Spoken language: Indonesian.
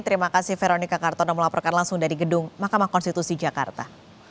terima kasih veronica kartono melaporkan langsung dari gedung mahkamah konstitusi jakarta